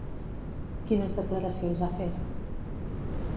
Quines declaracions ha fet?